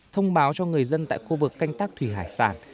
thông báo cho người dân tại khu vực canh tác thủy hải sản